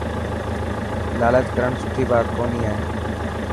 لالچ ڪرڻ سٺي بات ڪونهي.